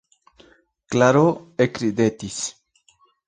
Klaro ekridetis.